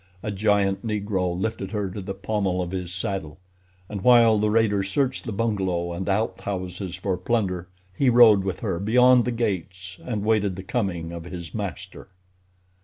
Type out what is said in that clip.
A giant Negro lifted her to the pommel of his saddle, and while the raiders searched the bungalow and outhouses for plunder he rode with her beyond the gates and waited the coming of his master.